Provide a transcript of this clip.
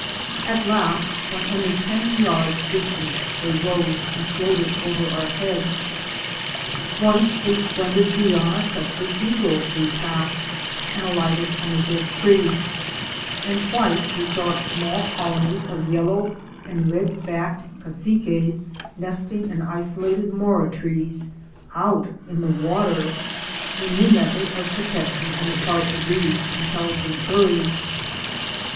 At last when only ten yards dis tant they rose and floated over our heads. Once a splendid Guiana Crested Eagle" flew past and alighted on a dead tree, and twice we saw small colonies of Yellow *' and Red backed *" Cassiques nesting in isolated Mora trees oul in the waler; a new method of protection on the part of these intelligent birds.